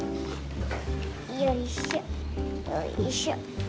よいしょよいしょ。